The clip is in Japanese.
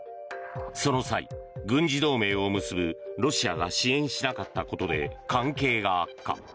その際、軍事同盟を結ぶロシアが支援しなかったことで関係が悪化。